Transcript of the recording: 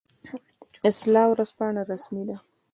اصلاح ورځپاڼه رسمي ده